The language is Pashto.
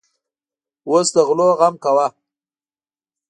اوس د غلو غم کوه.